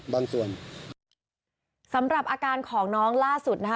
บางส่วนสำหรับอาการของน้องล่าสุดนะฮะ